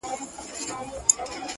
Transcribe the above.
پاڅه چي ځو ترې “ ه ياره”